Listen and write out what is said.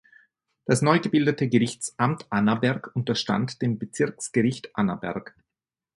Das neu gebildete Gerichtsamt Annaberg unterstand dem Bezirksgericht Annaberg.